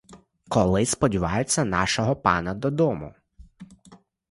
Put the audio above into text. Коли сподіваються нашого пана додому?